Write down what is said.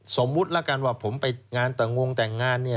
สมมุติแล้วกันว่าผมไปงานแต่งงแต่งงานเนี่ย